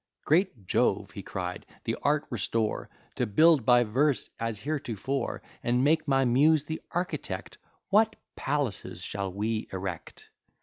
"Great Jove!" he cried, "the art restore To build by verse as heretofore, And make my Muse the architect; What palaces shall we erect!